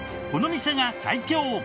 この店が最強！